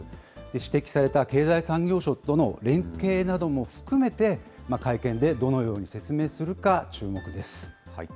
指摘された経済産業省との連携なども含めて、会見でどのように説明するか注目です。